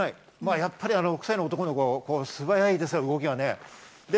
やっぱり６歳の男の子、素早いですよ、動きが。